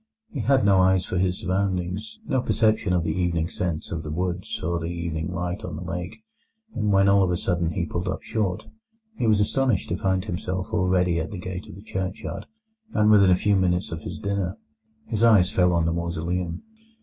He had no eyes for his surroundings, no perception of the evening scents of the woods or the evening light on the lake; and when all of a sudden he pulled up short, he was astonished to find himself already at the gate of the churchyard, and within a few minutes of his dinner. His eyes fell on the mausoleum.